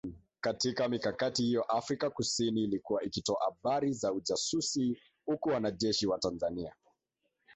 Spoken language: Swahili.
Katika mikakati hiyo Afrika kusini ilikuwa ikitoa habari za ujasusi huku wanajeshi wa Tanzania